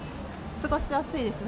過ごしやすいですね。